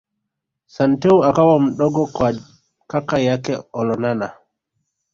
Santeu akawa mdogo kwa kaka yake Olonana